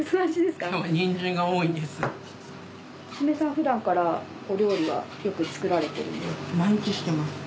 ふだんからお料理はよく作られてるんですか？